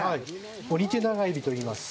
オニテナガエビといいます。